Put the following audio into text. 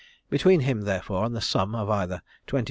Between him, therefore, and the sum of either 25,000_l_.